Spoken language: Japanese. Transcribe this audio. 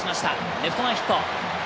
レフト前ヒット。